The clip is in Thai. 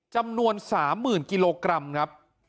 จำนวน๓๐๐๐กิโลกรัมครับ